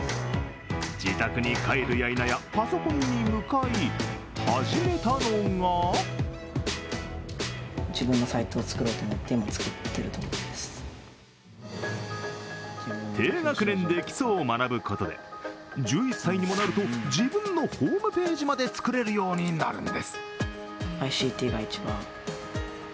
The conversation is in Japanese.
自宅に帰るやいなや、パソコンに向かい始めたのが低学年で基礎を学ぶことで１１歳にもなると自分のホームページまで作れるようになるんです。